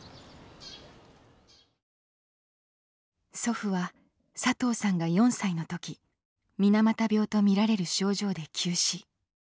祖父は佐藤さんが４歳の時水俣病とみられる症状で急死。